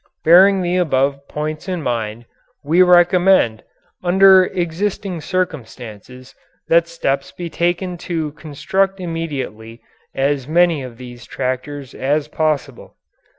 Bearing the above points in mind, we recommend, under existing circumstances, that steps be taken to construct immediately as many of these tractors as possible.